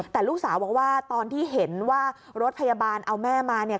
แต่ลูกสาวบอกว่าตอนที่เห็นว่ารถพยาบาลเอาแม่มาเนี่ย